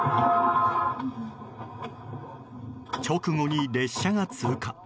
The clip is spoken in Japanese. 直後に列車が通過。